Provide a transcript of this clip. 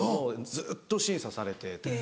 ずっと審査されていて。